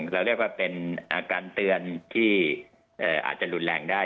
เราเรียกว่าเป็นการเตือนที่อาจจะรุนแรงได้